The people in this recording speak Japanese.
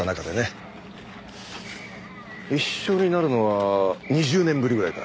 一緒になるのは２０年ぶりぐらいか。